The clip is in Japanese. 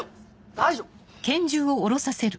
大丈夫！